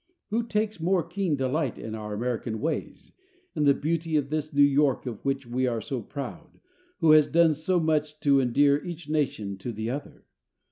Who takes more keen delight in our American ways, in the beauty of this New York of which we are so proud, who has done so much to endear each nation to the other?